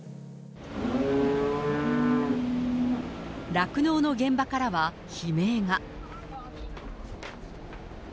酪農の現場からは悲鳴が。